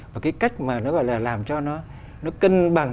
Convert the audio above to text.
và cái cách mà nó làm cho nó cân bằng